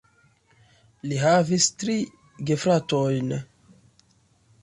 Li havis tri gefratojn.